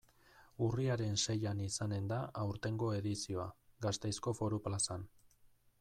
Urriaren seian izanen da aurtengo edizioa, Gasteizko Foru Plazan.